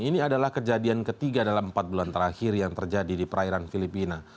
ini adalah kejadian ketiga dalam empat bulan terakhir yang terjadi di perairan filipina